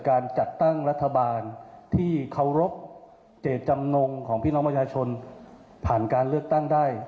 การจัดตั้งรัฐบาลที่เคารพเจตจำนงของพี่น้องประชาชนผ่านการเลือกตั้งได้